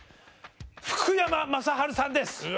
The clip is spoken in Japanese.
福山雅治さんです！